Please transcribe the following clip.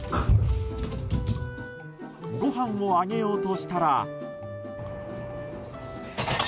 ごはんをあげようとしたら。